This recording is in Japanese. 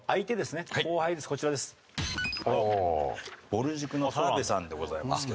ぼる塾の田辺さんでございますけども。